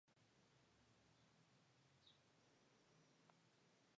Adicionalmente ha sido dirigente regional de su partido Unión Demócrata Independiente.